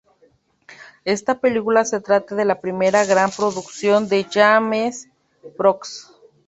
Esta película se trata de la primera gran producción de Jameson Brooks.